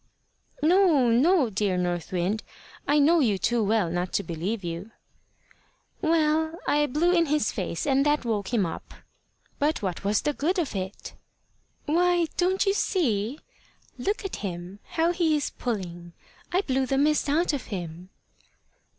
"No, no, dear North Wind. I know you too well not to believe you." "Well, I blew in his face, and that woke him up." "But what was the good of it?" "Why! don't you see? Look at him how he is pulling. I blew the mist out of him."